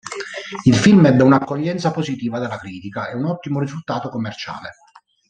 Il film ebbe una accoglienza positiva dalla critica e un ottimo risultato commerciale.